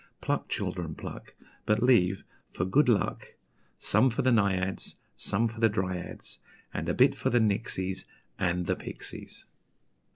Pluck, children, pluck! But leave for good luck Some for the Naïads, And some for the Dryads, And a bit for the Nixies, and the Pixies!'"